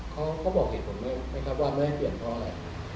เขาบอกเหตุผลไหมครับว่าไม่ให้เปลี่ยนเพราะอะไร